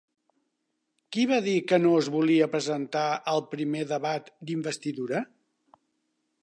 Qui va dir que no es volia presentar al primer debat d'investidura?